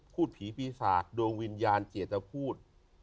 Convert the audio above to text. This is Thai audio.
ภูตผีภีศาสน์ดวงวิญญาณเจตปูด